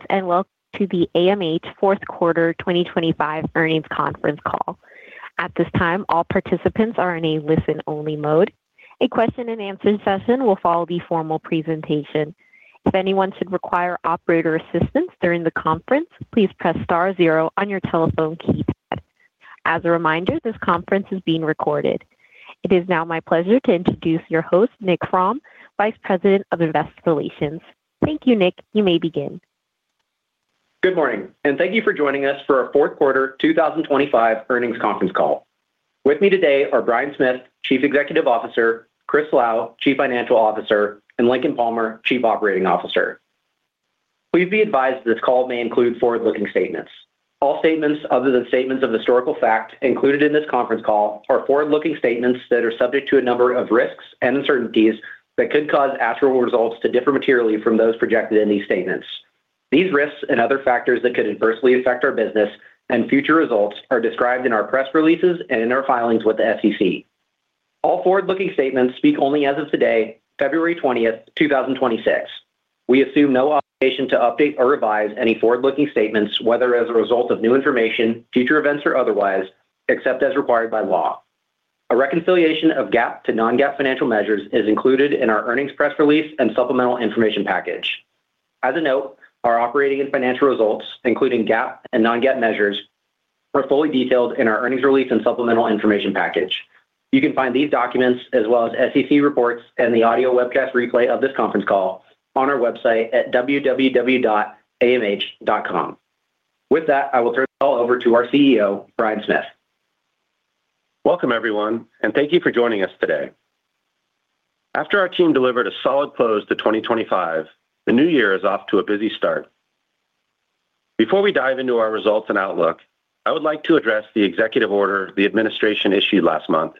Greetings, and welcome to the AMH Fourth Quarter 2025 Earnings Conference Call. At this time, all participants are in a listen-only mode. A question and answer session will follow the formal presentation. If anyone should require operator assistance during the conference, please press star zero on your telephone keypad. As a reminder, this conference is being recorded. It is now my pleasure to introduce your host, Nick Fromm, Vice President of Investor Relations. Thank you, Nick. You may begin. Good morning, and thank you for joining us for our fourth quarter 2025 earnings conference call. With me today are Bryan Smith, Chief Executive Officer, Chris Lau, Chief Financial Officer, and Lincoln Palmer, Chief Operating Officer. Please be advised this call may include forward-looking statements. All statements other than statements of historical fact included in this conference call are forward-looking statements that are subject to a number of risks and uncertainties that could cause actual results to differ materially from those projected in these statements. These risks and other factors that could adversely affect our business and future results are described in our press releases and in our filings with the SEC. All forward-looking statements speak only as of today, February 20, 2026. We assume no obligation to update or revise any forward-looking statements, whether as a result of new information, future events, or otherwise, except as required by law. A reconciliation of GAAP to non-GAAP financial measures is included in our earnings press release and supplemental information package. As a note, our operating and financial results, including GAAP and non-GAAP measures, are fully detailed in our earnings release and supplemental information package. You can find these documents as well as SEC reports and the audio webcast replay of this conference call on our website at www.amh.com. With that, I will turn the call over to our CEO, Bryan Smith. Welcome, everyone, and thank you for joining us today. After our team delivered a solid close to 2025, the new year is off to a busy start. Before we dive into our results and outlook, I would like to address the executive order the administration issued last month,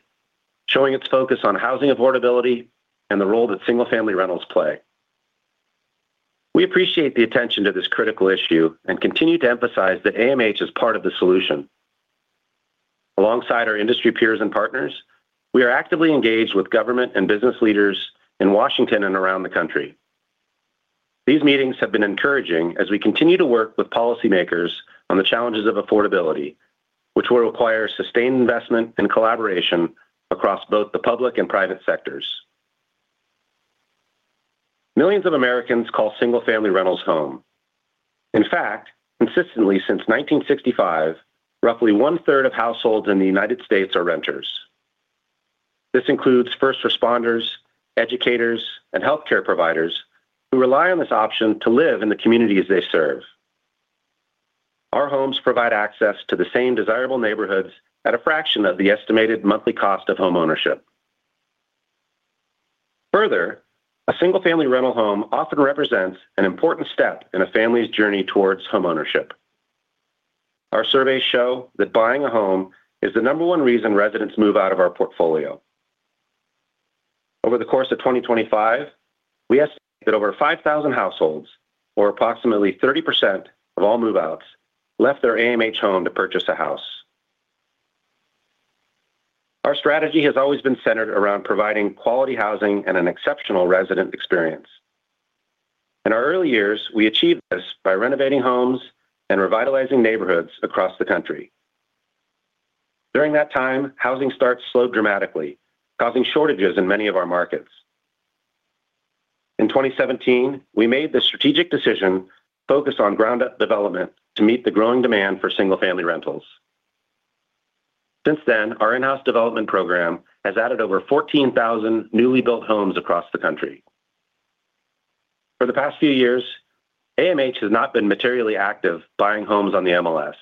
showing its focus on housing affordability and the role that single-family rentals play. We appreciate the attention to this critical issue and continue to emphasize that AMH is part of the solution. Alongside our industry peers and partners, we are actively engaged with government and business leaders in Washington and around the country. These meetings have been encouraging as we continue to work with policymakers on the challenges of affordability, which will require sustained investment and collaboration across both the public and private sectors. Millions of Americans call single-family rentals home. In fact, consistently since 1965, roughly one-third of households in the United States are renters. This includes first responders, educators, and healthcare providers who rely on this option to live in the communities they serve. Our homes provide access to the same desirable neighborhoods at a fraction of the estimated monthly cost of homeownership. Further, a single-family rental home often represents an important step in a family's journey towards homeownership. Our surveys show that buying a home is the number one reason residents move out of our portfolio. Over the course of 2025, we estimate that over 5,000 households, or approximately 30% of all move-outs, left their AMH home to purchase a house. Our strategy has always been centered around providing quality housing and an exceptional resident experience. In our early years, we achieved this by renovating homes and revitalizing neighborhoods across the country. During that time, housing starts slowed dramatically, causing shortages in many of our markets. In 2017, we made the strategic decision to focus on ground-up development to meet the growing demand for single-family rentals. Since then, our in-house development program has added over 14,000 newly built homes across the country. For the past few years, AMH has not been materially active buying homes on the MLS.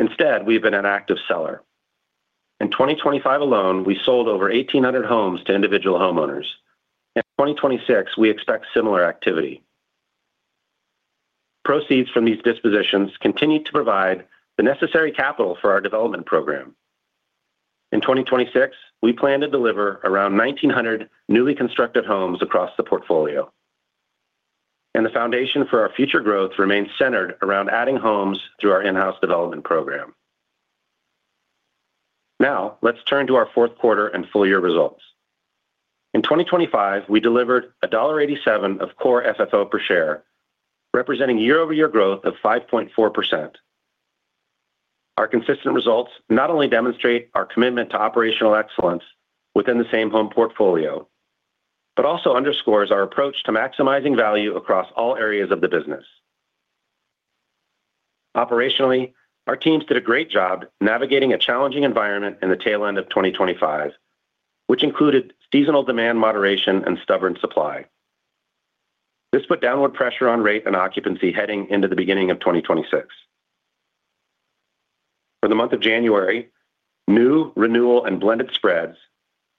Instead, we've been an active seller. In 2025 alone, we sold over 1,800 homes to individual homeowners. In 2026, we expect similar activity. Proceeds from these dispositions continue to provide the necessary capital for our development program. In 2026, we plan to deliver around 1,900 newly constructed homes across the portfolio, and the foundation for our future growth remains centered around adding homes through our in-house development program. Now, let's turn to our fourth quarter and full year results. In 2025, we delivered $0.87 of Core FFO per share, representing year-over-year growth of 5.4%. Our consistent results not only demonstrate our commitment to operational excellence within the Same-Home portfolio, but also underscores our approach to maximizing value across all areas of the business. Operationally, our teams did a great job navigating a challenging environment in the tail end of 2025, which included seasonal demand moderation and stubborn supply. This put downward pressure on rate and occupancy heading into the beginning of 2026. For the month of January, new renewal and blended spreads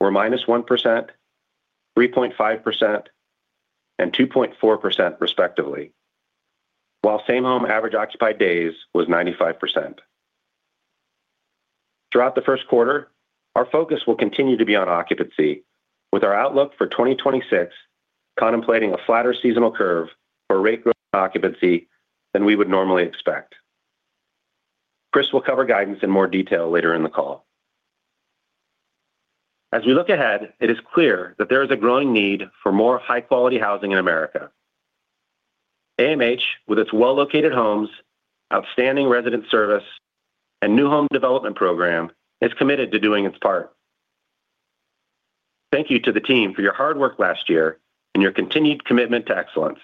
were -1%, 3.5%, and 2.4%, respectively, while same-home average occupied days was 95%. Throughout the first quarter, our focus will continue to be on occupancy, with our outlook for 2026 contemplating a flatter seasonal curve for rate growth and occupancy than we would normally expect. Chris will cover guidance in more detail later in the call. As we look ahead, it is clear that there is a growing need for more high-quality housing in America. AMH, with its well-located homes, outstanding resident service, and new home development program, is committed to doing its part. Thank you to the team for your hard work last year and your continued commitment to excellence.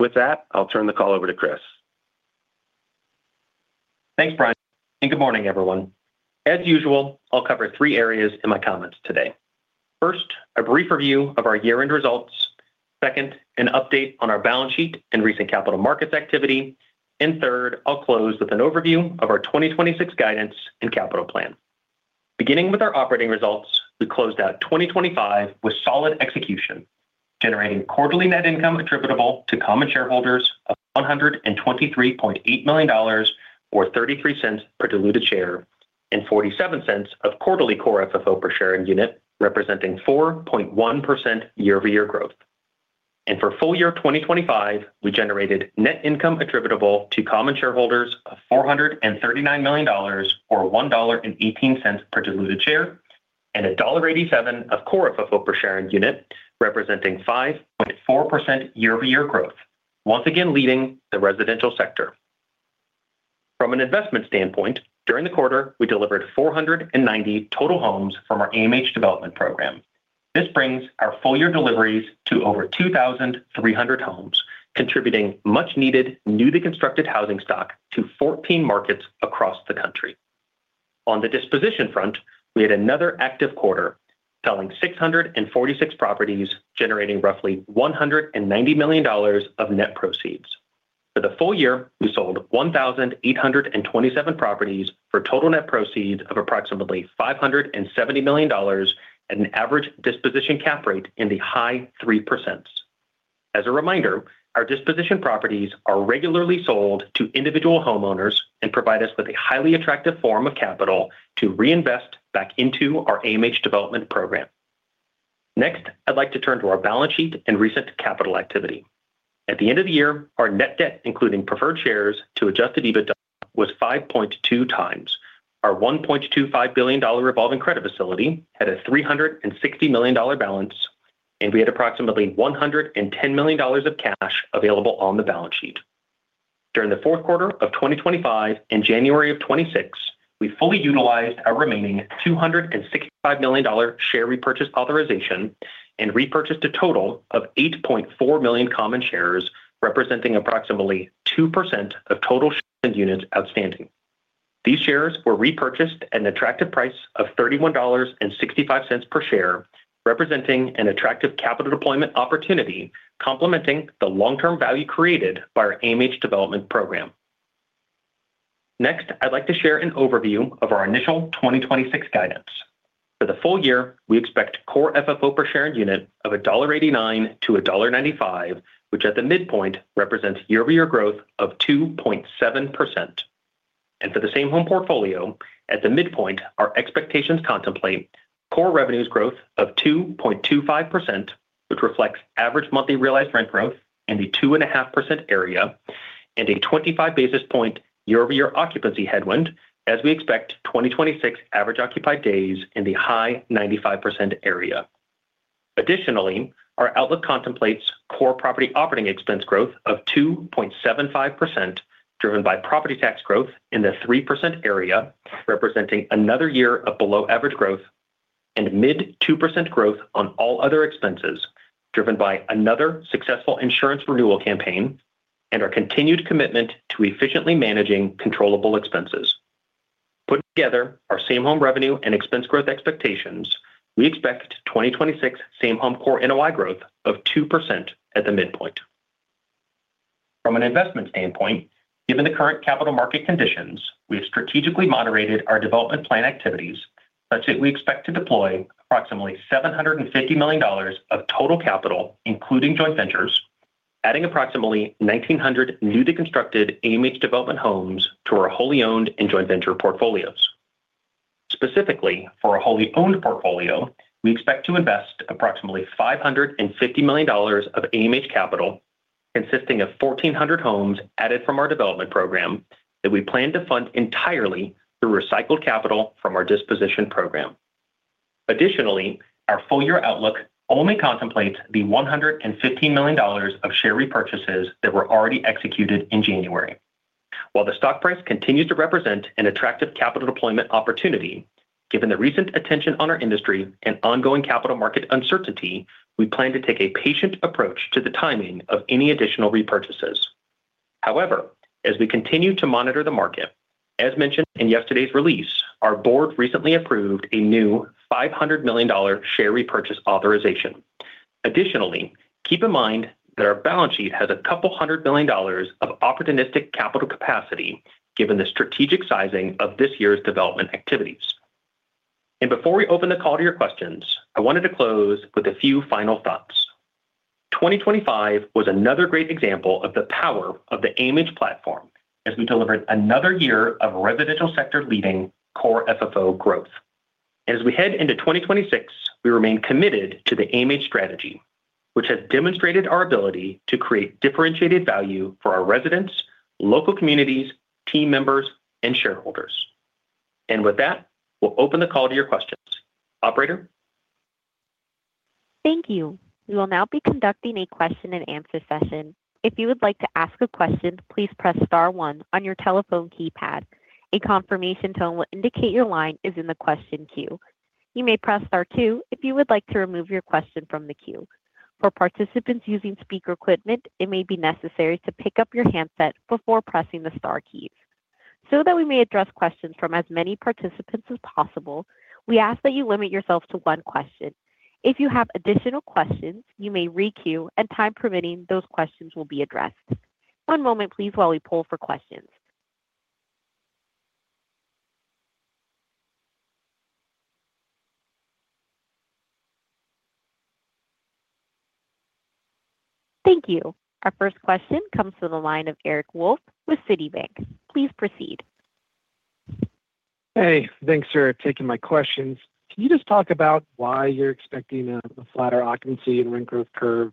With that, I'll turn the call over to Chris. Thanks, Bryan, and good morning, everyone. As usual, I'll cover three areas in my comments today. First, a brief review of our year-end results. Second, an update on our balance sheet and recent capital markets activity. And third, I'll close with an overview of our 2026 guidance and capital plan. Beginning with our operating results, we closed out 2025 with solid execution, generating quarterly net income attributable to common shareholders of $123.8 million or $0.33 per diluted share, and $0.47 of quarterly Core FFO per share and unit, representing 4.1% year-over-year growth. For full year 2025, we generated net income attributable to common shareholders of $439 million or $1.18 per diluted share, and $1.87 of Core FFO per share and unit, representing 5.4% year-over-year growth, once again, leading the residential sector. From an investment standpoint, during the quarter, we delivered 490 total homes from our AMH development program. This brings our full-year deliveries to over 2,300 homes, contributing much-needed, newly constructed housing stock to 14 markets across the country. On the disposition front, we had another active quarter, selling 646 properties, generating roughly $190 million of net proceeds. For the full year, we sold 1,827 properties for total net proceeds of approximately $570 million at an average disposition cap rate in the high 3%. As a reminder, our disposition properties are regularly sold to individual homeowners and provide us with a highly attractive form of capital to reinvest back into our AMH development program. Next, I'd like to turn to our balance sheet and recent capital activity. At the end of the year, our net debt, including preferred shares, to Adjusted EBITDA, was 5.2x. Our $1.25 billion revolving credit facility had a $360 million balance, and we had approximately $110 million of cash available on the balance sheet. During the fourth quarter of 2025 and January of 2026, we fully utilized our remaining $265 million share repurchase authorization and repurchased a total of 8.4 million common shares, representing approximately 2% of total units outstanding. These shares were repurchased at an attractive price of $31.65 per share, representing an attractive capital deployment opportunity, complementing the long-term value created by our AMH Development Program. Next, I'd like to share an overview of our initial 2026 guidance. For the full year, we expect Core FFO per share and unit of $1.89 to $1.95, which at the midpoint represents year-over-year growth of 2.7%. For the Same-Home portfolio, at the midpoint, our expectations contemplate Core revenues growth of 2.25%, which reflects Average Monthly Realized Rent growth in the 2.5% area, and a 25 basis point year-over-year occupancy headwind, as we expect 2026 Average Occupied Days in the high 95% area. Additionally, our outlook contemplates Core property operating expense growth of 2.75%, driven by property tax growth in the 3% area, representing another year of below-average growth and mid-2% growth on all other expenses, driven by another successful insurance renewal campaign and our continued commitment to efficiently managing controllable expenses. Put together our Same-Home revenue and expense growth expectations, we expect 2026 Same-Home Core NOI growth of 2% at the midpoint. From an investment standpoint, given the current capital market conditions, we have strategically moderated our development plan activities, but we expect to deploy approximately $750 million of total capital, including joint ventures, adding approximately 1,900 newly constructed AMH Development homes to our wholly owned and joint venture portfolios. Specifically, for our wholly owned portfolio, we expect to invest approximately $550 million of AMH capital, consisting of 1,400 homes added from our Development Program that we plan to fund entirely through recycled capital from our disposition program. Additionally, our full-year outlook only contemplates the $115 million of share repurchases that were already executed in January. While the stock price continues to represent an attractive capital deployment opportunity, given the recent attention on our industry and ongoing capital market uncertainty, we plan to take a patient approach to the timing of any additional repurchases. However, as we continue to monitor the market, as mentioned in yesterday's release, our board recently approved a new $500 million share repurchase authorization. Additionally, keep in mind that our balance sheet has a couple of hundred million dollars of opportunistic capital capacity, given the strategic sizing of this year's development activities. Before we open the call to your questions, I wanted to close with a few final thoughts. 2025 was another great example of the power of the AMH platform as we delivered another year of residential sector-leading core FFO growth. As we head into 2026, we remain committed to the AMH strategy. Which has demonstrated our ability to create differentiated value for our residents, local communities, team members, and shareholders. With that, we'll open the call to your questions. Operator? Thank you. We will now be conducting a question-and-answer session. If you would like to ask a question, please press star one on your telephone keypad. A confirmation tone will indicate your line is in the question queue. You may press star two if you would like to remove your question from the queue. For participants using speaker equipment, it may be necessary to pick up your handset before pressing the star keys. So that we may address questions from as many participants as possible, we ask that you limit yourself to one question. If you have additional questions, you may re-queue, and time permitting, those questions will be addressed. One moment, please, while we poll for questions. Thank you. Our first question comes from the line of Eric Wolfe with Citibank. Please proceed. Hey, thanks for taking my questions. Can you just talk about why you're expecting a flatter occupancy and rent growth curve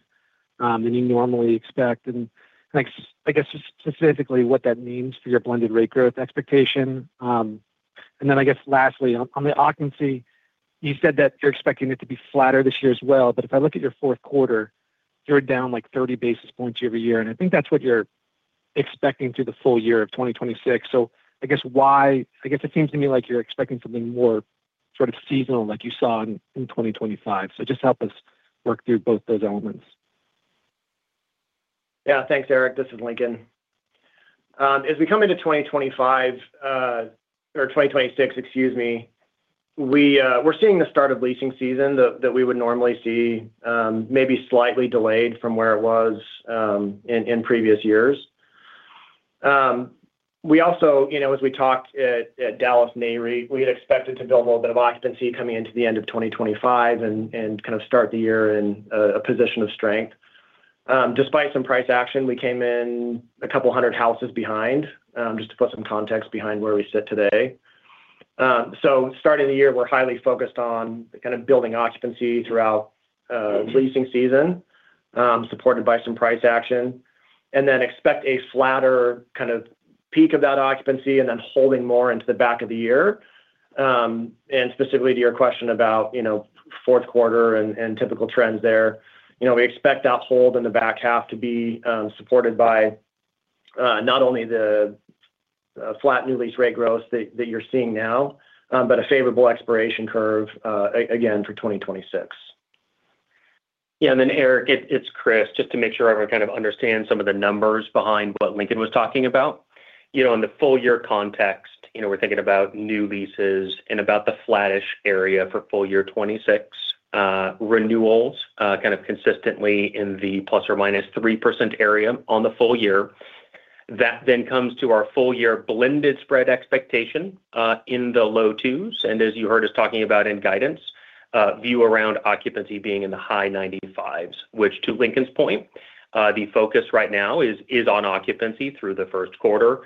than you normally expect? And like, I guess, just specifically, what that means for your blended rate growth expectation. And then I guess lastly, on the occupancy, you said that you're expecting it to be flatter this year as well. But if I look at your fourth quarter, you're down, like, 30 basis points year-over-year, and I think that's what you're expecting through the full year of 2026. So I guess why? I guess it seems to me like you're expecting something more sort of seasonal, like you saw in 2025. So just help us work through both those elements? Yeah. Thanks, Eric. This is Lincoln. As we come into 2025, or 2026, excuse me, we're seeing the start of leasing season that we would normally see, maybe slightly delayed from where it was in previous years. We also, you know, as we talked at Dallas Nareit, we had expected to build a little bit of occupancy coming into the end of 2025 and kind of start the year in a position of strength. Despite some price action, we came in 200 houses behind, just to put some context behind where we sit today. So starting the year, we're highly focused on kind of building occupancy throughout leasing season, supported by some price action, and then expect a flatter kind of peak of that occupancy and then holding more into the back of the year. And specifically to your question about, you know, fourth quarter and typical trends there, you know, we expect that hold in the back half to be supported by not only the flat new lease rate growth that you're seeing now, but a favorable expiration curve, again for 2026. Yeah, and then, Eric, it's Chris. Just to make sure everyone kind of understands some of the numbers behind what Lincoln was talking about. You know, in the full year context, you know, we're thinking about new leases and about the flattish area for full year 2026, renewals, kind of consistently in the ±3% area on the full year. That then comes to our full year blended spread expectation in the low 2s, and as you heard us talking about in guidance, view around occupancy being in the high 95s, which, to Lincoln's point, the focus right now is on occupancy through the first quarter,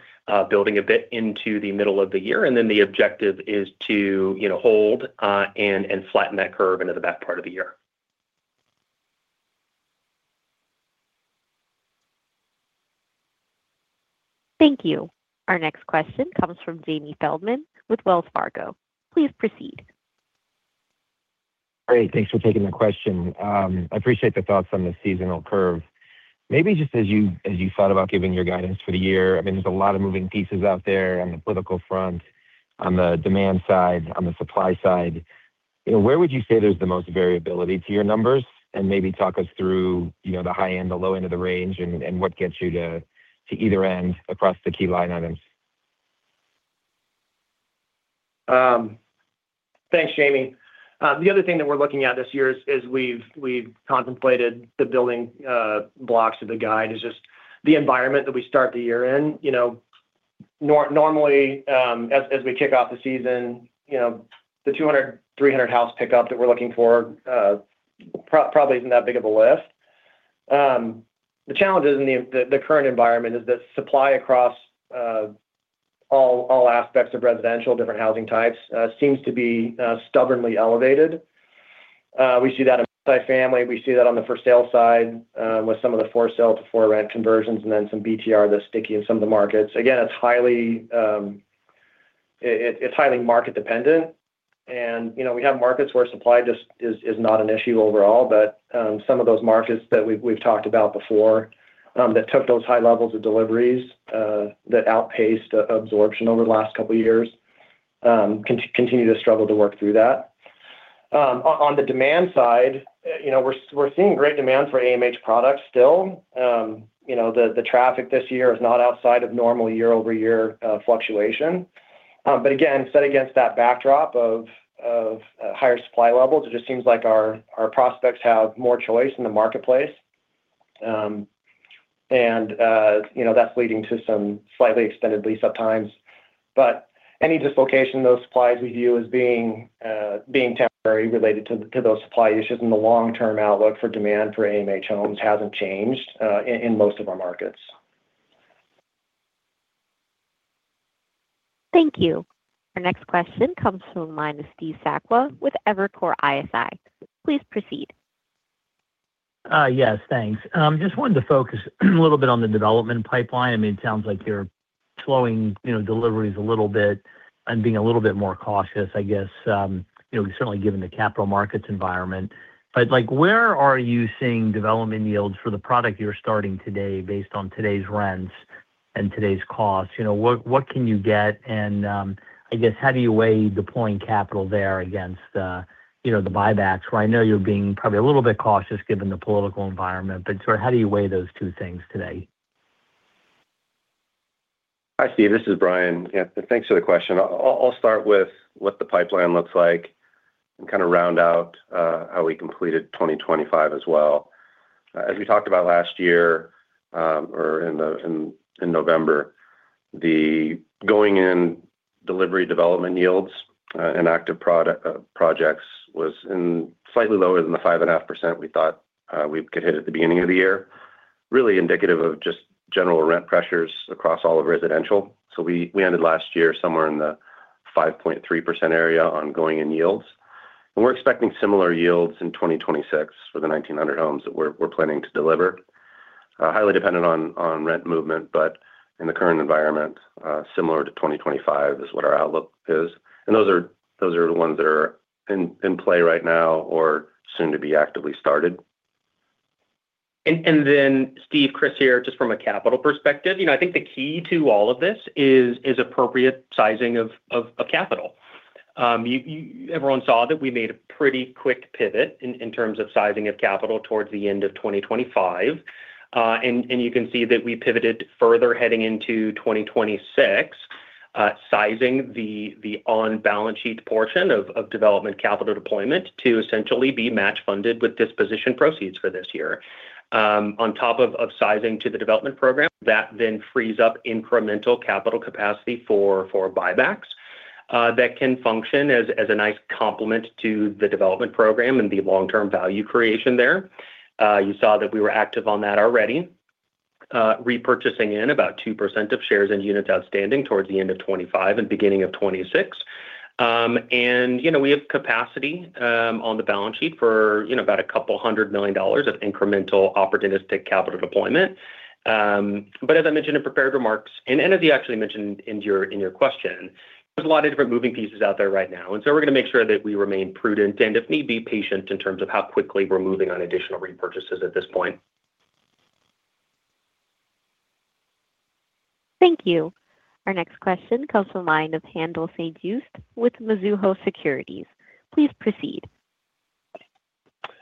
building a bit into the middle of the year, and then the objective is to, you know, hold and flatten that curve into the back part of the year. Thank you. Our next question comes from Jamie Feldman with Wells Fargo. Please proceed. Great, thanks for taking the question. I appreciate the thoughts on the seasonal curve. Maybe just as you thought about giving your guidance for the year, I mean, there's a lot of moving pieces out there on the political front, on the demand side, on the supply side. You know, where would you say there's the most variability to your numbers? And maybe talk us through, you know, the high end, the low end of the range and what gets you to either end across the key line items. Thanks, Jamie. The other thing that we're looking at this year is we've contemplated the building blocks of the guide is just the environment that we start the year in. You know, normally, as we kick off the season, you know, the 200, 300 house pickup that we're looking for probably isn't that big of a lift. The challenges in the current environment is that supply across all aspects of residential, different housing types, seems to be stubbornly elevated. We see that in multifamily. We see that on the for sale side, with some of the for sale to for rent conversions and then some BTR that's sticky in some of the markets. Again, it's highly market dependent, and, you know, we have markets where supply just is not an issue overall. But some of those markets that we've talked about before that took those high levels of deliveries that outpaced absorption over the last couple of years continue to struggle to work through that. On the demand side, you know, we're seeing great demand for AMH Products still. You know, the traffic this year is not outside of normal year-over-year fluctuation. But again, set against that backdrop of higher supply levels, it just seems like our prospects have more choice in the marketplace. And you know, that's leading to some slightly extended lease-up times. But any dislocation in those supplies we view as being temporary related to those supply issues, and the long-term outlook for demand for AMH homes hasn't changed in most of our markets. Thank you. Our next question comes from the line of Steve Sakwa with Evercore ISI. Please proceed. Yes, thanks. Just wanted to focus a little bit on the development pipeline. I mean, it sounds like you're slowing, you know, deliveries a little bit and being a little bit more cautious, I guess. You know, certainly given the capital markets environment. But, like, where are you seeing development yields for the product you're starting today based on today's rents and today's costs? You know, what, what can you get? And, I guess, how do you weigh deploying capital there against, you know, the buybacks, where I know you're being probably a little bit cautious given the political environment, but sort of how do you weigh those two things today? Hi, Steve, this is Bryan. Yeah, thanks for the question. I'll start with what the pipeline looks like and kind of round out how we completed 2025 as well. As we talked about last year, or in November, the going-in delivery development yields and active projects was in slightly lower than the 5.5% we thought we could hit at the beginning of the year. Really indicative of just general rent pressures across all of residential. So we ended last year somewhere in the 5.3% area on going-in yields, and we're expecting similar yields in 2026 for the 1,900 homes that we're planning to deliver. Highly dependent on rent movement, but in the current environment, similar to 2025 is what our outlook is. Those are the ones that are in play right now or soon to be actively started. Then Steve, Chris here, just from a capital perspective. You know, I think the key to all of this is appropriate sizing of capital. Everyone saw that we made a pretty quick pivot in terms of sizing of capital towards the end of 2025. And you can see that we pivoted further heading into 2026, sizing the on-balance sheet portion of development capital deployment to essentially be match funded with disposition proceeds for this year. On top of sizing to the development program, that then frees up incremental capital capacity for buybacks, that can function as a nice complement to the development program and the long-term value creation there. You saw that we were active on that already, repurchasing about 2% of shares and units outstanding towards the end of 2025 and beginning of 2026. And, you know, we have capacity on the balance sheet for, you know, about $200 million of incremental opportunistic capital deployment. But as I mentioned in prepared remarks, and, and as you actually mentioned in your, in your question, there's a lot of different moving pieces out there right now, and so we're going to make sure that we remain prudent and, if need be, patient in terms of how quickly we're moving on additional repurchases at this point. Thank you. Our next question comes from the line of Haendel St. Juste with Mizuho Securities. Please proceed.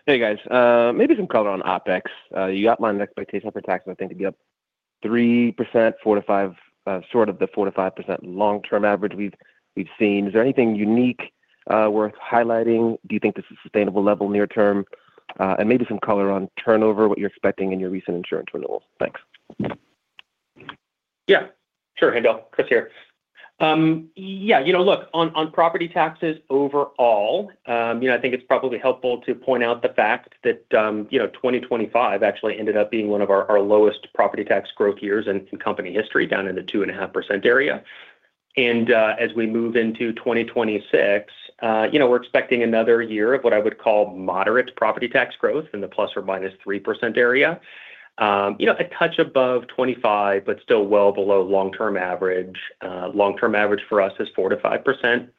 Hey, guys. Maybe some color on CapEx. You outlined an expectation for taxes to be up 3%, 4-5. Sort of the 4-5% long-term average we've seen. Is there anything unique worth highlighting? Do you think this is a sustainable level near term? Maybe some color on turnover, what you're expecting in your recent insurance renewals. Thanks. Yeah, sure, Haendel. Chris here. Yeah, you know, look, on, on property taxes overall, you know, I think it's probably helpful to point out the fact that, you know, 2025 actually ended up being one of our, our lowest property tax growth years in company history, down in the 2.5% area. As we move into 2026, you know, we're expecting another year of what I would call moderate property tax growth in the ±3% area. You know, a touch above 2025, but still well below long-term average. Long-term average for us is 4%-5%.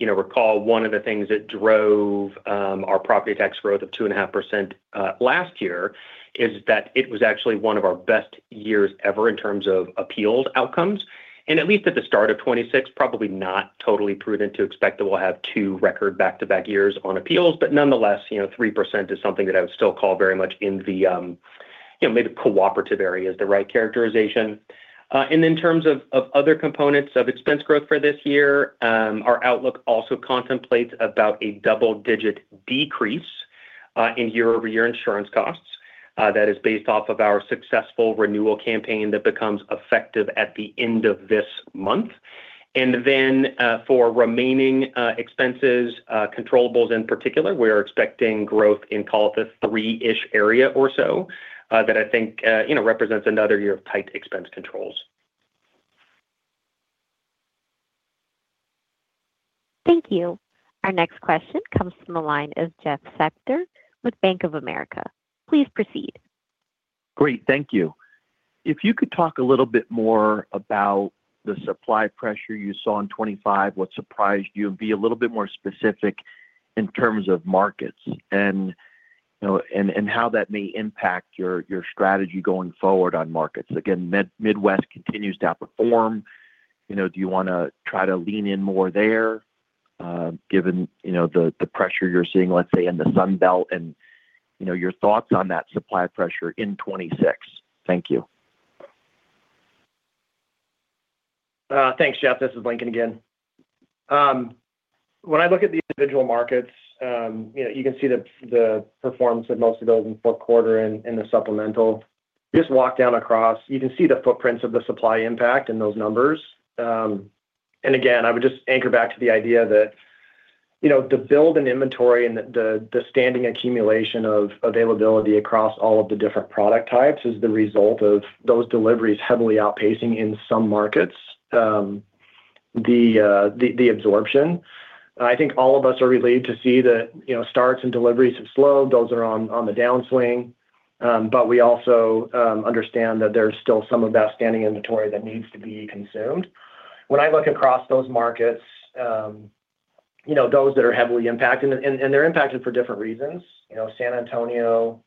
You know, recall one of the things that drove our property tax growth of 2.5% last year is that it was actually one of our best years ever in terms of appealed outcomes. At least at the start of 2026, probably not totally prudent to expect that we'll have two record back-to-back years on appeals. But nonetheless, you know, 3% is something that I would still call very much in the, you know, maybe cooperative area is the right characterization. And in terms of other components of expense growth for this year, our outlook also contemplates about a double-digit decrease in year-over-year insurance costs. That is based off of our successful renewal campaign that becomes effective at the end of this month. And then, for remaining expenses, controllables in particular, we're expecting growth in call it a three-ish area or so, that I think, you know, represents another year of tight expense controls. Thank you. Our next question comes from the line of Jeff Spector with Bank of America. Please proceed. Great, thank you. If you could talk a little bit more about the supply pressure you saw in 2025, what surprised you? And be a little bit more specific in terms of markets and, you know, and how that may impact your strategy going forward on markets. Again, Midwest continues to outperform. You know, do you wanna try to lean in more there, given, you know, the pressure you're seeing, let's say, in the Sun Belt and, you know, your thoughts on that supply pressure in 2026? Thank you. Thanks, Jeff. This is Lincoln again. When I look at the individual markets, you know, you can see the performance of most of those in the fourth quarter in the supplemental. Just walk down across, you can see the footprints of the supply impact in those numbers. And again, I would just anchor back to the idea that- You know, the build and inventory and the standing accumulation of availability across all of the different product types is the result of those deliveries heavily outpacing in some markets, the absorption. I think all of us are relieved to see that, you know, starts and deliveries have slowed. Those are on the downswing, but we also understand that there's still some of that standing inventory that needs to be consumed. When I look across those markets, you know, those that are heavily impacted, and they're impacted for different reasons. You know, San Antonio,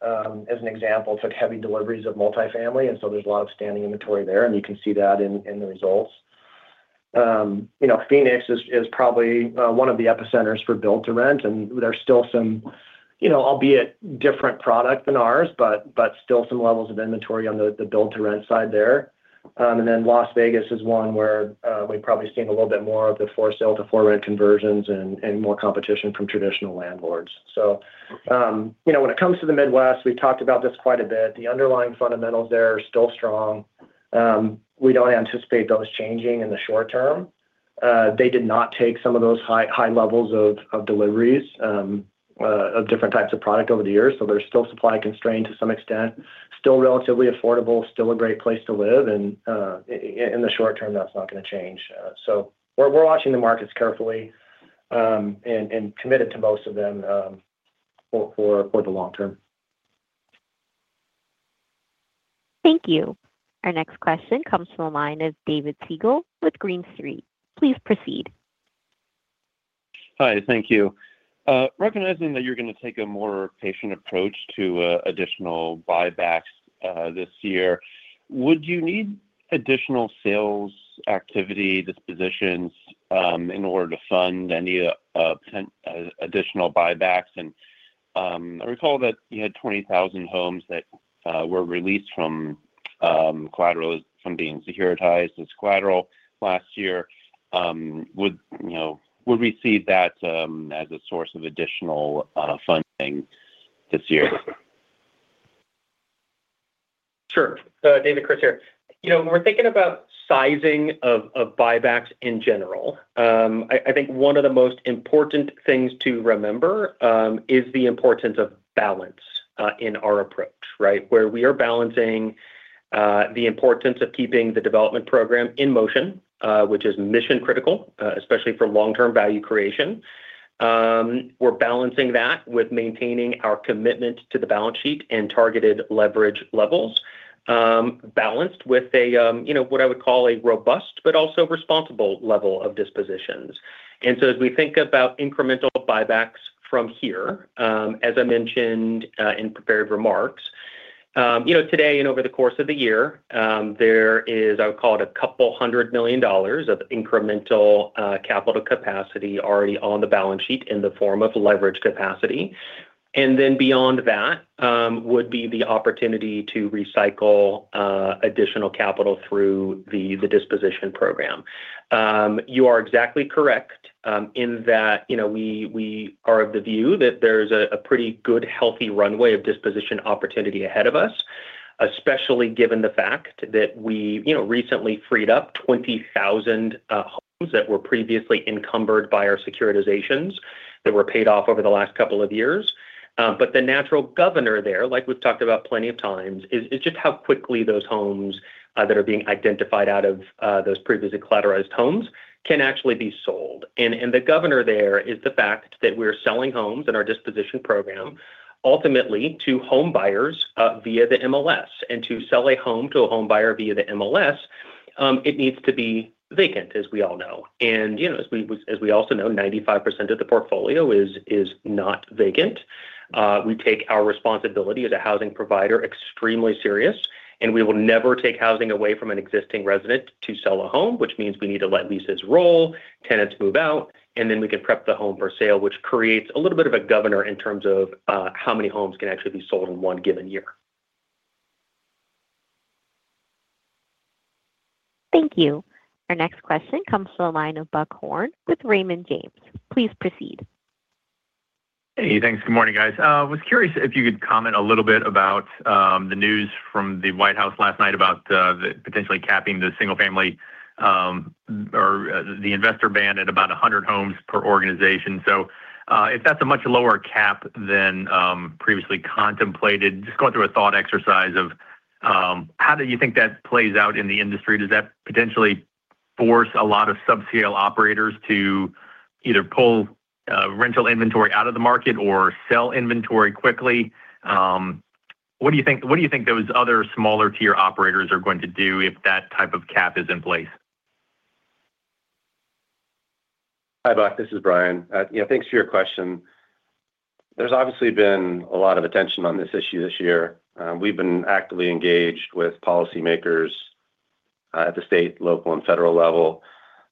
as an example, took heavy deliveries of multifamily, and so there's a lot of standing inventory there, and you can see that in the results. You know, Phoenix is probably one of the epicenters for build-to-rent, and there's still some, you know, albeit different product than ours, but still some levels of inventory on the build-to-rent side there. And then Las Vegas is one where we've probably seen a little bit more of the for-sale to for-rent conversions and more competition from traditional landlords. So, you know, when it comes to the Midwest, we've talked about this quite a bit. The underlying fundamentals there are still strong. We don't anticipate those changing in the short term. They did not take some of those high, high levels of deliveries of different types of product over the years, so they're still supply constrained to some extent, still relatively affordable, still a great place to live, and in the short term, that's not gonna change. So we're watching the markets carefully, and committed to most of them, for the long term. Thank you. Our next question comes from the line of David Siegel with Green Street. Please proceed. Hi, thank you. Recognizing that you're gonna take a more patient approach to additional buybacks this year, would you need additional sales activity, dispositions, in order to fund any additional buybacks? And I recall that you had 20,000 homes that were released from collateral, from being securitized as collateral last year. Would, you know, would we see that as a source of additional funding this year? Sure. David, Chris here. You know, when we're thinking about sizing of buybacks in general, I think one of the most important things to remember is the importance of balance in our approach, right? Where we are balancing the importance of keeping the development program in motion, which is mission critical, especially for long-term value creation. We're balancing that with maintaining our commitment to the balance sheet and targeted leverage levels, balanced with you know, what I would call a robust but also responsible level of dispositions. As we think about incremental buybacks from here, as I mentioned in prepared remarks, you know, today and over the course of the year, there is, I would call it, $200 million of incremental capital capacity already on the balance sheet in the form of leverage capacity. Then beyond that, would be the opportunity to recycle additional capital through the disposition program. You are exactly correct, in that, you know, we are of the view that there's a pretty good, healthy runway of disposition opportunity ahead of us, especially given the fact that we, you know, recently freed up 20,000 homes that were previously encumbered by our securitizations that were paid off over the last couple of years. But the natural governor there, like we've talked about plenty of times, is just how quickly those homes that are being identified out of those previously collateralized homes can actually be sold. And the governor there is the fact that we're selling homes in our disposition program, ultimately, to home buyers via the MLS. And to sell a home to a home buyer via the MLS, it needs to be vacant, as we all know. And, you know, as we also know, 95% of the portfolio is not vacant. We take our responsibility as a housing provider extremely serious, and we will never take housing away from an existing resident to sell a home, which means we need to let leases roll, tenants move out, and then we can prep the home for sale, which creates a little bit of a governor in terms of how many homes can actually be sold in one given year. Thank you. Our next question comes from the line of Buck Horne with Raymond James. Please proceed. Hey, thanks. Good morning, guys. Was curious if you could comment a little bit about the news from the White House last night about the potentially capping the single-family or the investor ban at about 100 homes per organization. So, if that's a much lower cap than previously contemplated, just going through a thought exercise of how do you think that plays out in the industry? Does that potentially force a lot of subscale operators to either pull rental inventory out of the market or sell inventory quickly? What do you think, what do you think those other smaller-tier operators are going to do if that type of cap is in place? Hi, Buck, this is Bryan. Yeah, thanks for your question. There's obviously been a lot of attention on this issue this year. We've been actively engaged with policymakers at the state, local, and federal level.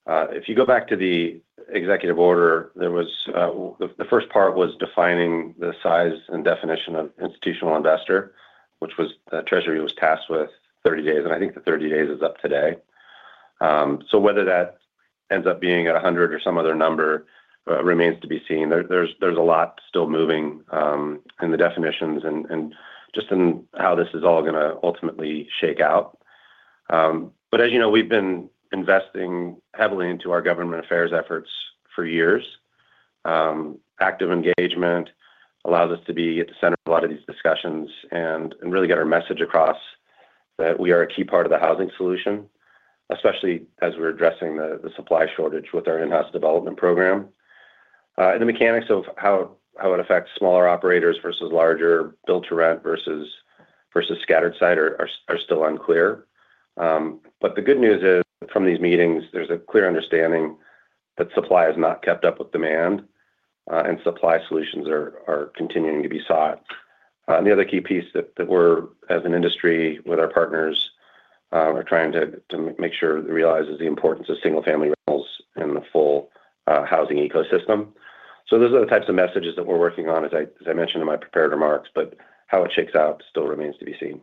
If you go back to the executive order, there was the first part was defining the size and definition of institutional investor, which was Treasury was tasked with 30 days, and I think the 30 days is up today. So whether that ends up being 100 or some other number remains to be seen. There's a lot still moving in the definitions and just in how this is all gonna ultimately shake out. But as you know, we've been investing heavily into our government affairs efforts for years. Active engagement allows us to be at the center of a lot of these discussions and really get our message across that we are a key part of the housing solution, especially as we're addressing the supply shortage with our in-house development program. The mechanics of how it affects smaller operators versus larger Build-to-Rent versus scattered site are still unclear. But the good news is, from these meetings, there's a clear understanding that supply has not kept up with demand, and supply solutions are continuing to be sought. The other key piece that we're, as an industry, with our partners, are trying to make sure realizes the importance of single-family rentals in the full housing ecosystem. Those are the types of messages that we're working on, as I, as I mentioned in my prepared remarks, but how it shakes out still remains to be seen.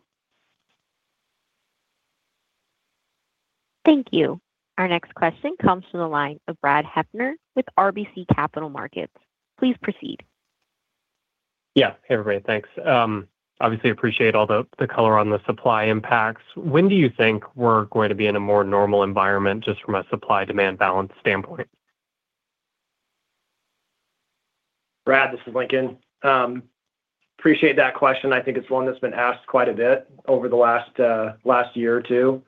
Thank you. Our next question comes from the line of Brad Heffern with RBC Capital Markets. Please proceed. Yeah. Hey, everybody. Thanks. Obviously, appreciate all the color on the supply impacts. When do you think we're going to be in a more normal environment, just from a supply-demand balance standpoint? Brad, this is Lincoln. Appreciate that question. I think it's one that's been asked quite a bit over the last year or two.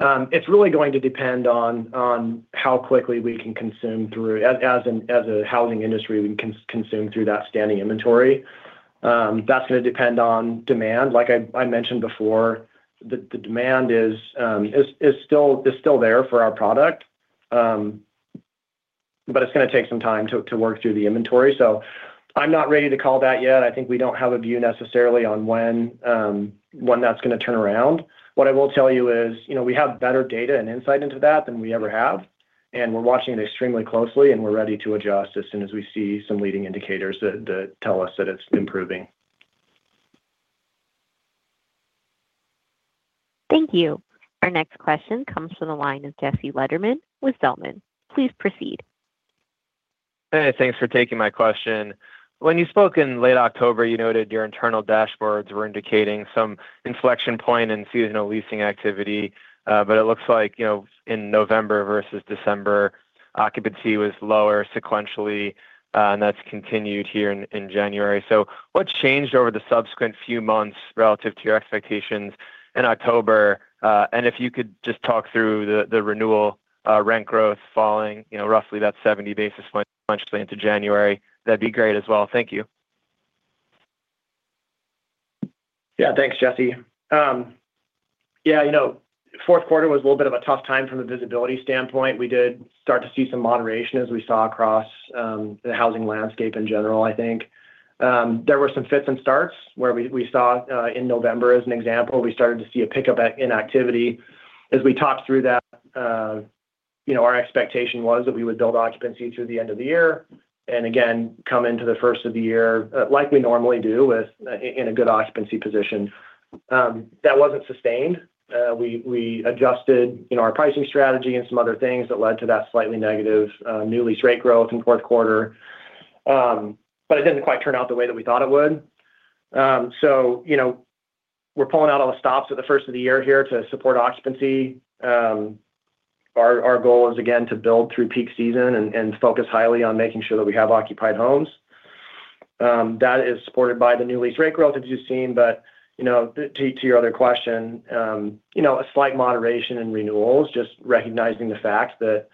It's really going to depend on how quickly, as a housing industry, we can consume through that standing inventory. That's going to depend on demand. Like I mentioned before, the demand is still there for our product. But it's going to take some time to work through the inventory, so I'm not ready to call that yet. I think we don't have a view necessarily on when that's going to turn around. What I will tell you is, you know, we have better data and insight into that than we ever have, and we're watching it extremely closely, and we're ready to adjust as soon as we see some leading indicators that tell us that it's improving. Thank you. Our next question comes from the line of Jesse Lederman with Zelman. Please proceed. Hey, thanks for taking my question. When you spoke in late October, you noted your internal dashboards were indicating some inflection point in seasonal leasing activity. But it looks like, you know, in November versus December, occupancy was lower sequentially, and that's continued here in January. So what's changed over the subsequent few months relative to your expectations in October? And if you could just talk through the renewal rent growth falling, you know, roughly about 70 basis points into January, that'd be great as well. Thank you. Yeah, thanks, Jesse. Yeah, you know, fourth quarter was a little bit of a tough time from a visibility standpoint. We did start to see some moderation as we saw across the housing landscape in general, I think. There were some fits and starts where we saw in November, as an example, we started to see a pickup in activity. As we talked through that, you know, our expectation was that we would build occupancy through the end of the year and again, come into the first of the year, like we normally do, with a good occupancy position. That wasn't sustained. We adjusted, you know, our pricing strategy and some other things that led to that slightly negative new lease rate growth in fourth quarter. But it didn't quite turn out the way that we thought it would. So, you know, we're pulling out all the stops for the first of the year here to support occupancy. Our goal is, again, to build through peak season and focus highly on making sure that we have occupied homes. That is supported by the new lease rate growth, as you've seen. But, you know, to your other question, you know, a slight moderation in renewals, just recognizing the fact that,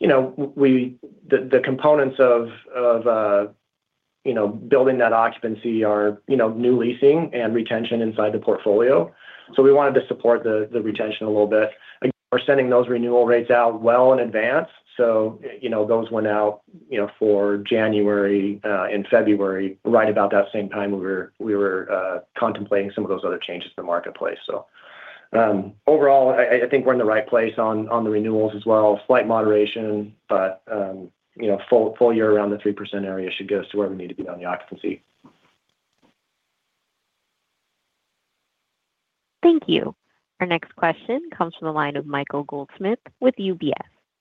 you know, we, the components of you know, building that occupancy are, you know, new leasing and retention inside the portfolio. So we wanted to support the retention a little bit. Again, we're sending those renewal rates out well in advance. So, you know, those went out, you know, for January in February. Right about that same time, we were contemplating some of those other changes in the marketplace. So, overall, I think we're in the right place on the renewals as well. Slight moderation, but, you know, full year around the 3% area should get us to where we need to be on the occupancy. Thank you. Our next question comes from the line of Michael Goldsmith with UBS.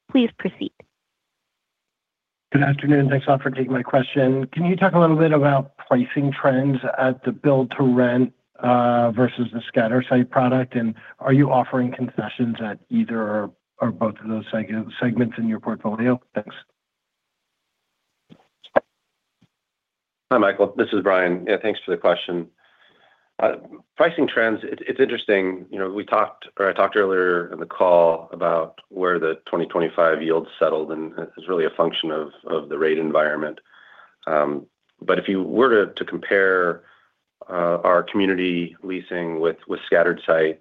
Please proceed. Good afternoon, thanks all for taking my question. Can you talk a little bit about pricing trends at the build-to-rent versus the scattered site product? And are you offering concessions at either or, or both of those segments in your portfolio? Thanks. Hi, Michael, this is Bryan. Yeah, thanks for the question. Pricing trends, it's interesting, you know, we talked or I talked earlier in the call about where the 2025 yields settled, and it's really a function of the rate environment. But if you were to compare our community leasing with scattered site,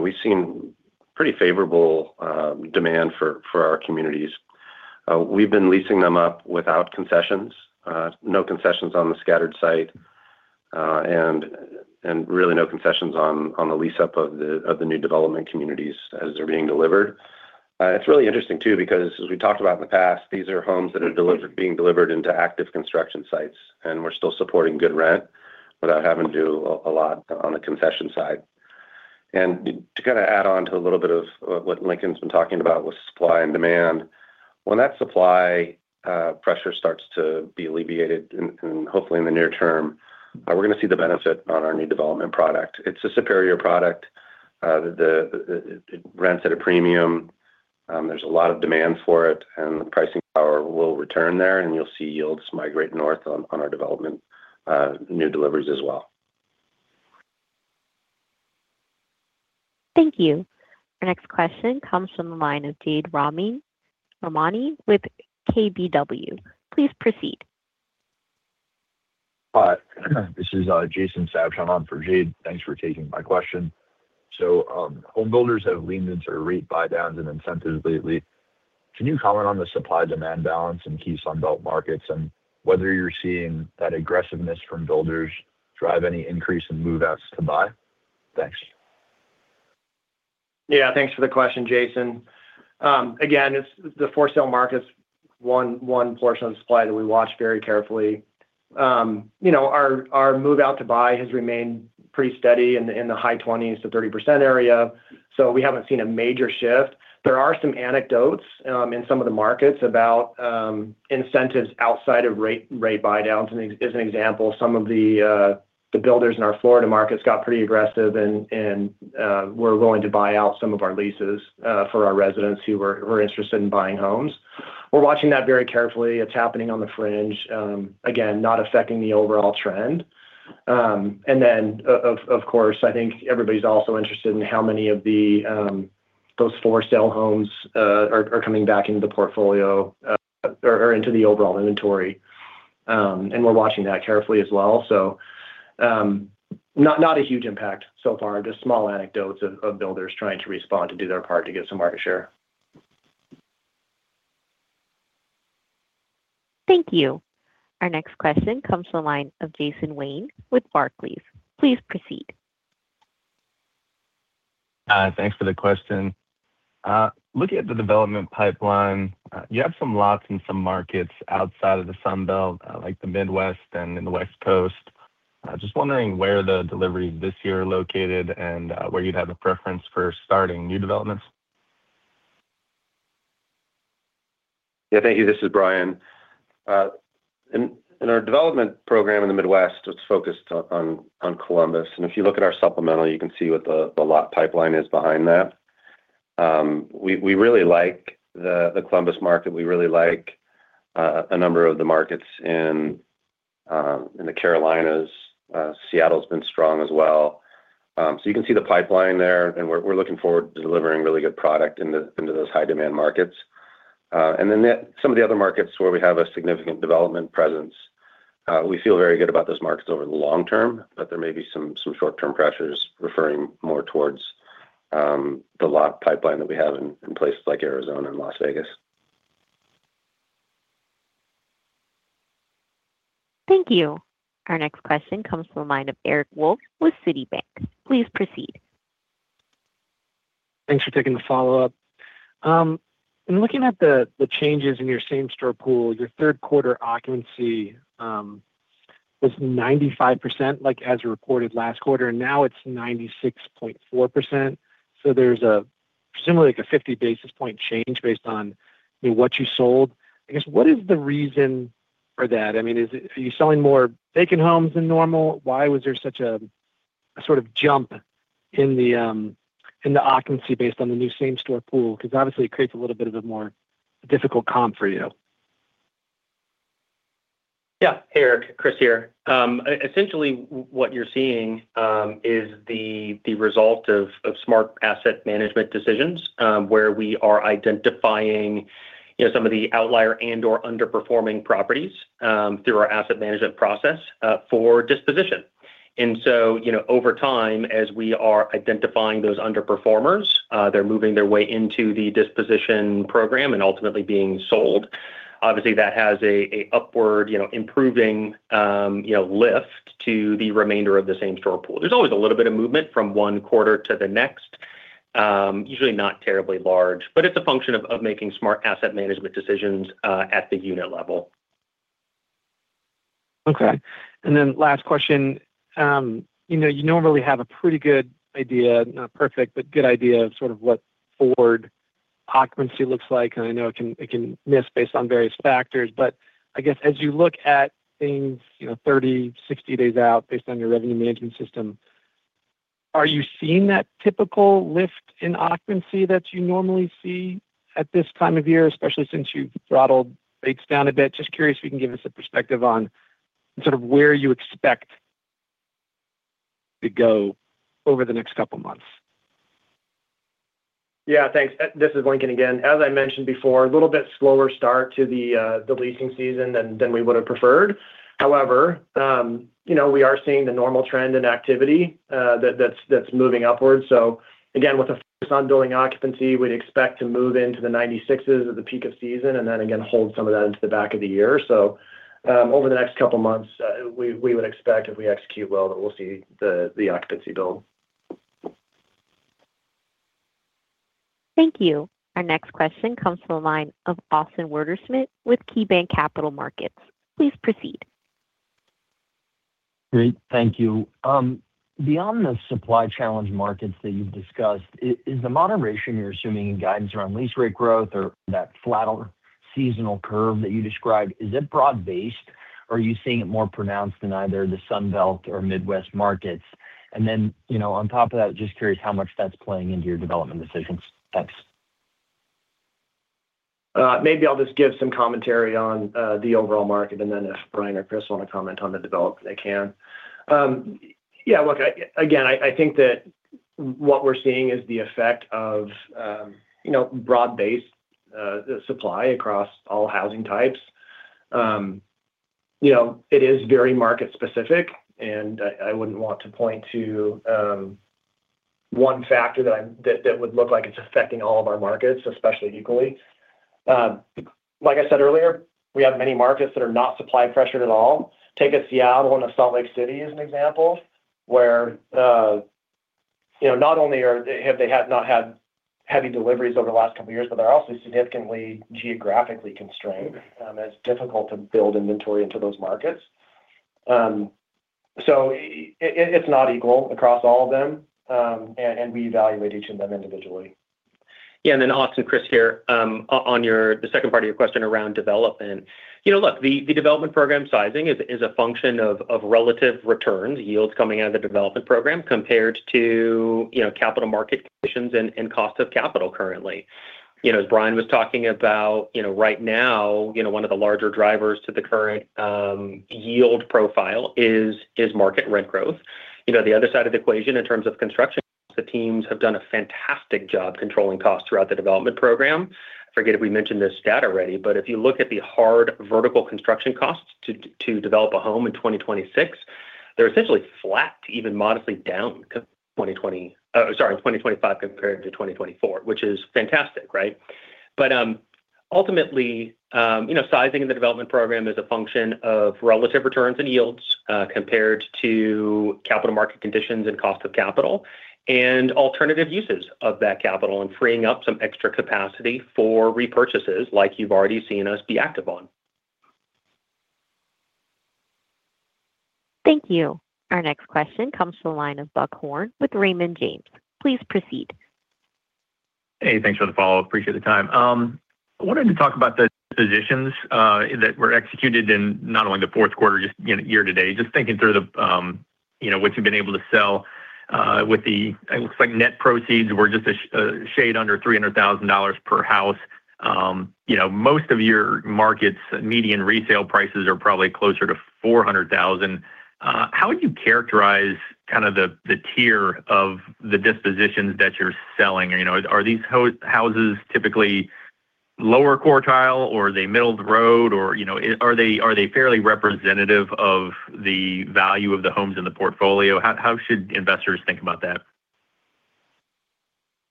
we've seen pretty favorable demand for our communities. We've been leasing them up without concessions, no concessions on the scattered site, and really no concessions on the lease-up of the new development communities as they're being delivered. It's really interesting too, because as we talked about in the past, these are homes that are being delivered into active construction sites, and we're still supporting good rent without having to do a lot on the concession side. And to kind of add on to a little bit of what Lincoln's been talking about with supply and demand. When that supply pressure starts to be alleviated in hopefully in the near term, we're gonna see the benefit on our new development product. It's a superior product, it rents at a premium. There's a lot of demand for it, and the pricing power will return there, and you'll see yields migrate north on our development new deliveries as well. Thank you. Our next question comes from the line of Jade Rahmani with KBW. Please proceed. Hi, this is Jason Sabshon for Jade. Thanks for taking my question. So, home builders have leaned into rate buydowns and incentives lately. Can you comment on the supply-demand balance in key Sun Belt Markets, and whether you're seeing that aggressiveness from builders drive any increase in move-outs to buy? Thanks. Yeah, thanks for the question, Jason. Again, it's the for-sale market's one portion of the supply that we watch very carefully. You know, our move-out to buy has remained pretty steady in the high 20s to 30% area, so we haven't seen a major shift. There are some anecdotes in some of the markets about incentives outside of rate buydowns. And as an example, some of the builders in our Florida markets got pretty aggressive and were willing to buy out some of our leases for our residents who were interested in buying homes. We're watching that very carefully. It's happening on the fringe, again, not affecting the overall trend. And then, of course, I think everybody's also interested in how many of those for-sale homes are coming back into the portfolio or into the overall inventory. And we're watching that carefully as well. So, not a huge impact so far, just small anecdotes of builders trying to respond to do their part to get some market share. Thank you. Our next question comes from the line of Jason Wayne with Barclays. Please proceed. Thanks for the question. Looking at the development pipeline, you have some lots in some markets outside of the Sun Belt, like the Midwest and in the West Coast. Just wondering where the deliveries this year are located and where you'd have a preference for starting new developments? Yeah, thank you. This is Bryan. In our development program in the Midwest, it's focused on Columbus. And if you look at our supplemental, you can see what the lot pipeline is behind that. We really like the Columbus market. We really like a number of the markets in the Carolinas. Seattle's been strong as well. So you can see the pipeline there, and we're looking forward to delivering really good product into those high-demand markets. And then, some of the other markets where we have a significant development presence, we feel very good about those markets over the long term, but there may be some short-term pressures referring more towards the lot pipeline that we have in places like Arizona and Las Vegas. Thank you. Our next question comes from the line of Eric Wolfe with Citibank. Please proceed. Thanks for taking the follow-up. In looking at the changes in your Same-Home Pool, your third quarter occupancy was 95%, like, as you reported last quarter, and now it's 96.4%. So there's a similarly, like a 50 basis point change based on, I mean, what you sold. I guess, what is the reason for that? I mean, is it - are you selling more vacant homes than normal? Why was there such a sort of jump in the occupancy based on the new Same-Home pool? Because obviously it creates a little bit of a more difficult comp for you. Yeah. Hey, Eric, Chris here. Essentially, what you're seeing is the result of smart asset management decisions, where we are identifying, you know, some of the outlier and/or underperforming properties through our asset management process for disposition. So, you know, over time, as we are identifying those underperformers, they're moving their way into the disposition program and ultimately being sold. Obviously, that has an upward, you know, improving lift to the remainder of the same-store pool. There's always a little bit of movement from one quarter to the next, usually not terribly large, but it's a function of making smart asset management decisions at the unit level. Okay. And then last question: You know, you normally have a pretty good idea, not perfect, but good idea of sort of what forward occupancy looks like, and I know it can, it can miss based on various factors. But I guess as you look at things, you know, 30, 60 days out, based on your revenue management system, are you seeing that typical lift in occupancy that you normally see at this time of year, especially since you've throttled rates down a bit? Just curious if you can give us a perspective on sort of where you expect to go over the next couple of months. Yeah, thanks. This is Lincoln again. As I mentioned before, a little bit slower start to the leasing season than we would have preferred. However, you know, we are seeing the normal trend in activity that's moving upwards. So again, with a focus on building occupancy, we'd expect to move into the 96s at the peak of season and then again, hold some of that into the back of the year. So, over the next couple of months, we would expect, if we execute well, that we'll see the occupancy build. Thank you. Our next question comes from the line of Austin Wurschmidt with KeyBanc Capital Markets. Please proceed. Great. Thank you. Beyond the supply challenge markets that you've discussed, is the moderation you're assuming in guidance around lease rate growth or that flatter seasonal curve that you described, is it broad-based, or are you seeing it more pronounced in either the Sun Belt or Midwest Markets? And then, you know, on top of that, just curious how much that's playing into your development decisions. Thanks. Maybe I'll just give some commentary on the overall market, and then if Bryan or Chris want to comment on the development, they can. Yeah, look, again, I think that what we're seeing is the effect of you know, broad-based supply across all housing types. You know, it is very market specific, and I wouldn't want to point to one factor that would look like it's affecting all of our markets, especially equally. Like I said earlier, we have many markets that are not supply pressured at all. Take Seattle and Salt Lake City as an example, where you know, not only have they not had heavy deliveries over the last couple of years, but they're also significantly geographically constrained. It's difficult to build inventory into those markets. So it's not equal across all of them, and we evaluate each of them individually. Yeah, and then Austin, Chris here. On your, the second part of your question around development. You know, look, the development program sizing is a function of relative returns, yields coming out of the development program, compared to, you know, capital market conditions and cost of capital currently. You know, as Bryan was talking about, you know, right now, you know, one of the larger drivers to the current yield profile is market rent growth. You know, the other side of the equation in terms of construction, the teams have done a fantastic job controlling costs throughout the development program. I forget if we mentioned this stat already, but if you look at the hard vertical construction costs to develop a home in 2026, they're essentially flat to even modestly down to 2020... Sorry, in 2025 compared to 2024, which is fantastic, right? But, ultimately, you know, sizing in the development program is a function of relative returns and yields, compared to capital market conditions and cost of capital, and alternative uses of that capital and freeing up some extra capacity for repurchases like you've already seen us be active on. Thank you. Our next question comes from the line of Buck Horne with Raymond James. Please proceed. Hey, thanks for the follow-up. Appreciate the time. I wanted to talk about the positions that were executed in not only the fourth quarter, just, you know, year to date. Just thinking through the, you know, what you've been able to sell, with the, it looks like net proceeds were just a shade under $300,000 per house. You know, most of your markets, median resale prices are probably closer to $400,000. How would you characterize kind of the, the tier of the dispositions that you're selling? You know, are these houses typically lower quartile, or are they middle of the road, or, you know, are they fairly representative of the value of the homes in the portfolio? How should investors think about that?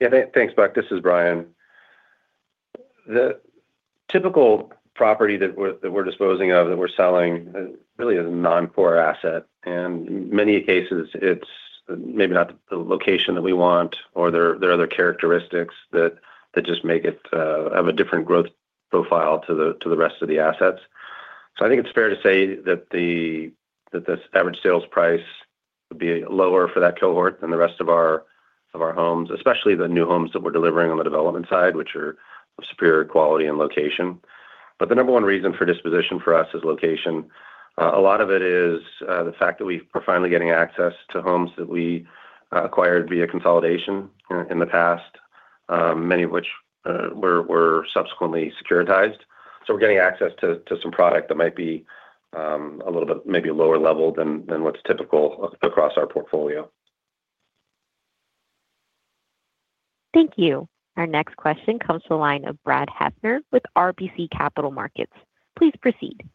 Yeah, thanks, Buck. This is Bryan. The typical property that we're disposing of, that we're selling, really is a non-core asset, and in many cases, it's maybe not the location that we want or there are other characteristics that just make it have a different growth profile to the rest of the assets. So I think it's fair to say that this average sales price would be lower for that cohort than the rest of our homes, especially the new homes that we're delivering on the development side, which are of superior quality and location. But the number one reason for disposition for us is location. A lot of it is the fact that we are finally getting access to homes that we acquired via consolidation in the past, many of which were subsequently securitized. So we're getting access to some product that might be a little bit maybe lower level than what's typical across our portfolio. Thank you. Our next question comes to the line of Brad Heffern with RBC Capital Markets. Please proceed.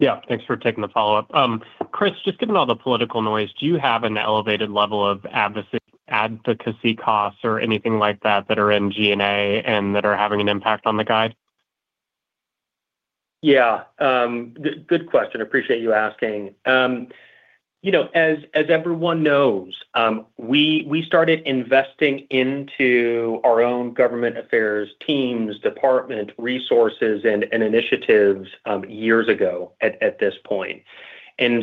Yeah, thanks for taking the follow-up. Chris, just given all the political noise, do you have an elevated level of advocacy costs or anything like that, that are in G&A and that are having an impact on the guide? Yeah, good question. Appreciate you asking. You know, as everyone knows, we started investing into our own government affairs teams, department, resources, and initiatives, years ago at this point.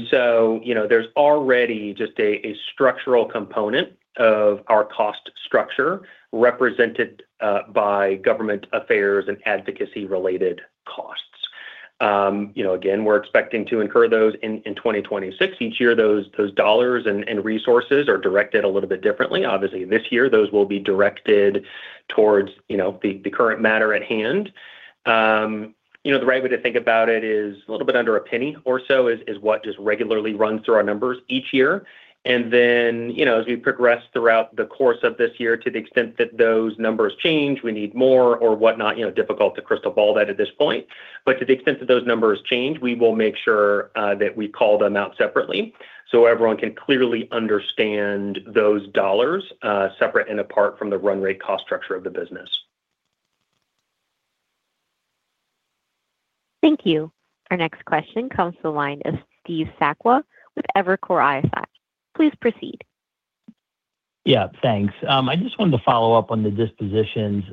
So, you know, there's already just a structural component of our cost structure represented by government affairs and advocacy-related costs. You know, again, we're expecting to incur those in 2026. Each year, those dollars and resources are directed a little bit differently. Obviously, this year, those will be directed towards, you know, the current matter at hand. You know, the right way to think about it is a little bit under $0.01 or so is what just regularly runs through our numbers each year. And then, you know, as we progress throughout the course of this year, to the extent that those numbers change, we need more or whatnot, you know, difficult to crystal ball that at this point. But to the extent that those numbers change, we will make sure that we call them out separately so everyone can clearly understand those dollars, separate and apart from the run rate cost structure of the business. Thank you. Our next question comes to the line of Steve Sakwa with Evercore ISI. Please proceed. Yeah, thanks. I just wanted to follow up on the dispositions.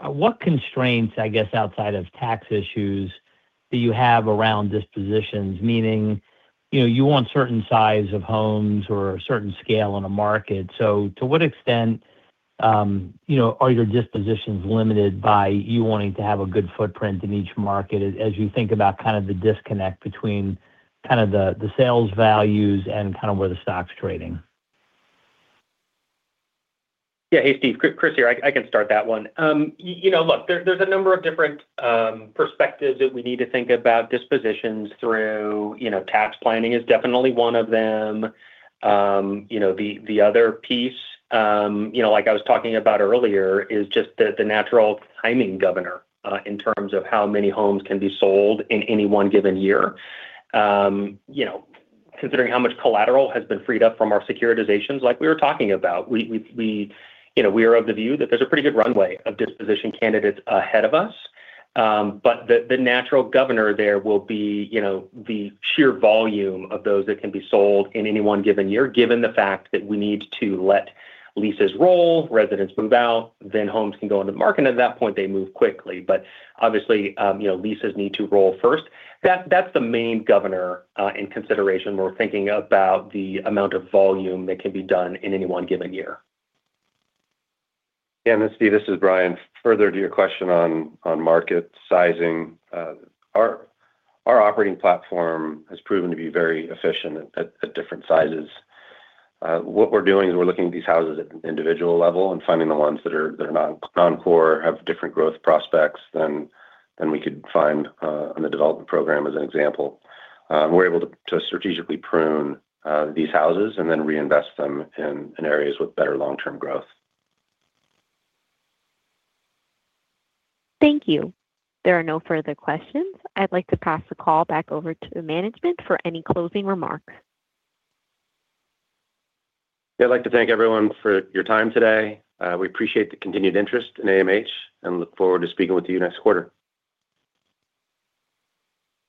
What constraints, I guess, outside of tax issues, do you have around dispositions? Meaning, you know, you want certain size of homes or a certain scale in a market. So to what extent, you know, are your dispositions limited by you wanting to have a good footprint in each market as you think about kind of the disconnect between kind of the sales values and kind of where the stock's trading? Yeah. Hey, Steve. Chris here. I can start that one. You know, look, there's a number of different perspectives that we need to think about dispositions through. You know, tax planning is definitely one of them. You know, the other piece, you know, like I was talking about earlier, is just the natural timing governor in terms of how many homes can be sold in any one given year. You know, considering how much collateral has been freed up from our securitizations, like we were talking about, we are of the view that there's a pretty good runway of disposition candidates ahead of us. But the natural governor there will be, you know, the sheer volume of those that can be sold in any one given year, given the fact that we need to let leases roll, residents move out, then homes can go on the market, and at that point, they move quickly. But obviously, you know, leases need to roll first. That's the main governor in consideration when we're thinking about the amount of volume that can be done in any one given year. Yeah, and Steve, this is Bryan. Further to your question on market sizing, our operating platform has proven to be very efficient at different sizes. What we're doing is we're looking at these houses at an individual level and finding the ones that are non-core, have different growth prospects than we could find on the development program, as an example. We're able to strategically prune these houses and then reinvest them in areas with better long-term growth. Thank you. There are no further questions. I'd like to pass the call back over to management for any closing remarks. Yeah, I'd like to thank everyone for your time today. We appreciate the continued interest in AMH and look forward to speaking with you next quarter.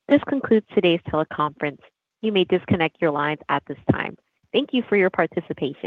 This concludes today's teleconference. You may disconnect your lines at this time. Thank you for your participation.